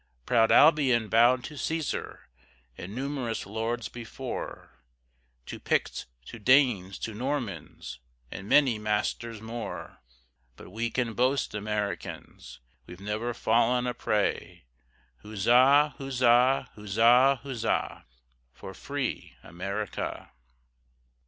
Proud Albion bowed to Cæsar, And numerous lords before; To Picts, to Danes, to Normans, And many masters more: But we can boast, Americans, We've never fallen a prey; Huzza, huzza, huzza, huzza, For free America.